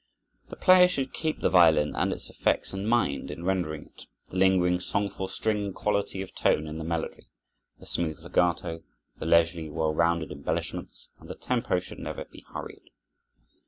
The player should keep the violin and its effects in mind in rendering it, the lingering, songful, string quality of tone in the melody, the smooth legato, the leisurely, well rounded embellishments; and the tempo should never be hurried.